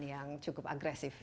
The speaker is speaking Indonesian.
yang cukup agresif